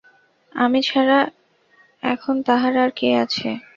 আমি ছাড়া এখন তাহার আর কে আছে।